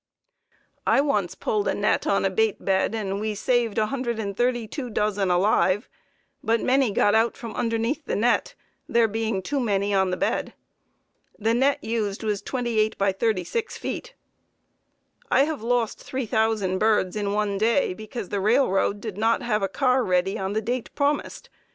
I once pulled a net on a bait bed and we saved 132 dozen alive, but many got out from underneath the net, there being too many on the bed. The net used was 28 × 36 feet. I have lost 3,000 birds in one day because the railroad did not have a car ready on the date promised.